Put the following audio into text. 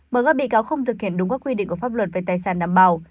mời các bị cáo không thực hiện đúng các quy định của pháp luật về tài sản đảm bảo